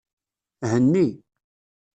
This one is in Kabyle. Henni.